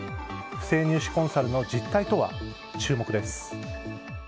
不正入試コンサルの実態とは注目です。